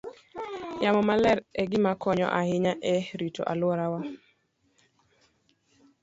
Yamo maler en gima konyo ahinya e rito alworawa.